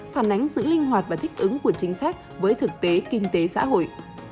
phản ánh sự linh hoạt và thích ứng của chính sách với thực tế kinh tế xã hội